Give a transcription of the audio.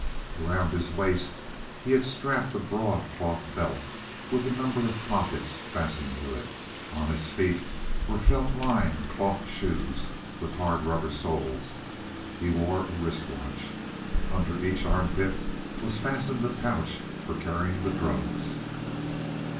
Around his waist he had strapped a broad cloth belt, with a number of pockets fastened to it. On his feet were felt lined cloth shoes, with hard rubber soles; he wore a wrist watch. Under each armpit was fastened the pouch for carrying the drugs.